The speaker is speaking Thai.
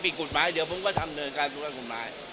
ผิดเฉพาะถ้าผิดกฎหมายเดี๋ยวผมก็ทำปรับปรับกฎหมาย